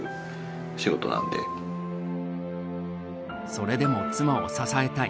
それでも妻を支えたい。